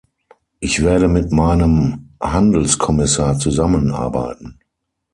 Ich werde mit meinem Handelskommissar zusammenarbeiten.